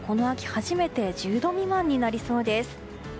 初めて１０度未満になりそうです。